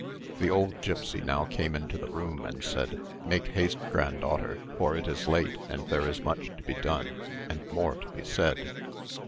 The old gipsy now came into the room and said, "Make haste, granddaughter; for it is late, and there is much to be done, and more to be said."